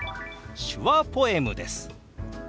手話ポエムです。